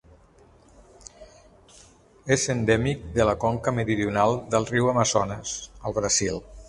És endèmic de la conca meridional del riu Amazones, al Brasil.